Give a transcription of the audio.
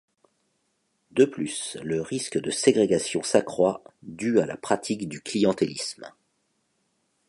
De plus, le risque de ségrégation s'accroît dû à la pratique du clientélisme.